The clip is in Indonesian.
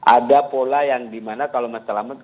ada pola yang dimana kalau mas selamet